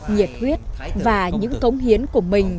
nhiệt huyết và những thống hiến của mình